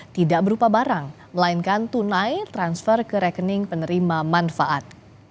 tidak berupa barang melainkan tunai transfer ke rekening penerima manfaat